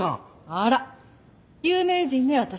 あら有名人ね私。